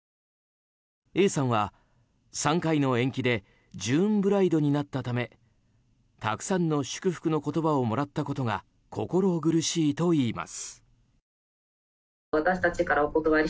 Ａさんは３回の延期でジューンブライドになったためたくさんの祝福の言葉をもらったことが心苦しいといいます。